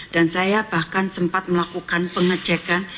dan saya bahkan sempat melakukan pengecekan